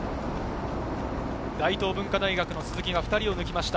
大東文化大学の鈴木が２人を抜きました。